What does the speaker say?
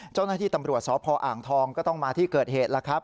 เจ้าหน้าที่ตำรวจสพอ่างทองก็ต้องมาที่เกิดเหตุแล้วครับ